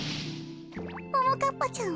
ももかっぱちゃんは？